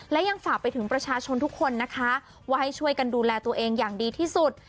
และยังฝากไปถึงประชาชนทุกคนนะคะว่าให้ช่วยกันดูแลตัวเองอย่างดีที่สุด